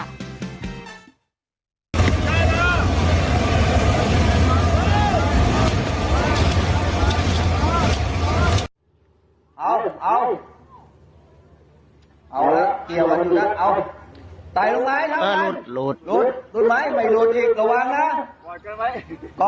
จับกันไว้จับกันไว้มือจับกันไว้เออ